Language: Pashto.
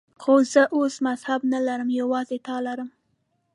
خو زه اوس مذهب نه لرم، یوازې تا لرم.